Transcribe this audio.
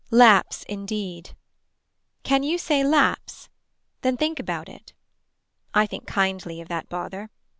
Laps indeed. Can you say lapse. Then think about it. I think kindly of that bother.